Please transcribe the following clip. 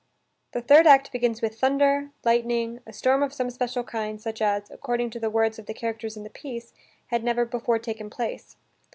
The third act begins with thunder, lightning, a storm of some special kind such as, according to the words of the characters in the piece, had never before taken place.